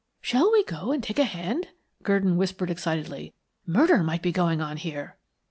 "Shall we go and take a hand?" Gurdon whispered excitedly. "Murder might be going on here."